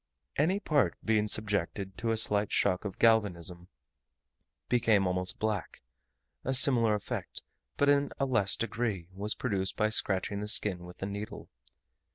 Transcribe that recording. Any part, being subjected to a slight shock of galvanism, became almost black: a similar effect, but in a less degree, was produced by scratching the skin with a needle.